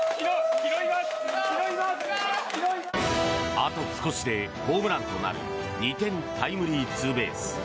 あと少しでホームランとなる２点タイムリーツーベース。